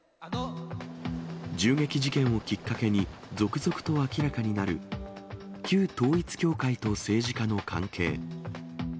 銃撃事件をきっかけに、続々と明らかになる旧統一教会と政治家の関係。